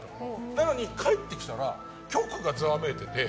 なのに、帰ってきたら局がざわめいていて。